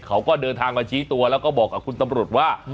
เขาก็เดินทางมาชี้ตัวแล้วก็บอกกับคุณตำรวจว่า